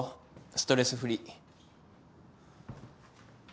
ストレスフリー。